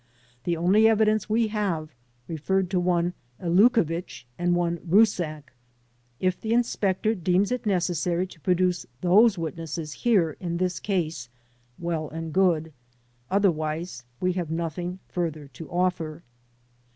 The only evidence we have, referred to one Elukevich and one Rusak. If the inspector deems it necessary to produce those witnesses here in this case, well and good; otherwise we have nothing further to offer."